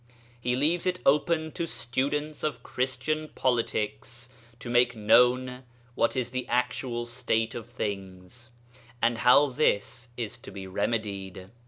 He leaves it open to students of Christian politics to make known what is the actual state of things, and how this is to be remedied.